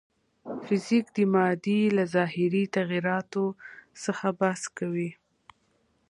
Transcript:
فزیک د مادې له ظاهري تغیراتو څخه بحث کوي.